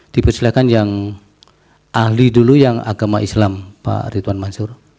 dipersilakan yang ahli dulu yang agama islam pak ridwan mansur